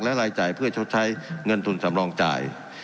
และรายจ่ายเพื่อชดใช้เงินทุนสำรองจ่าย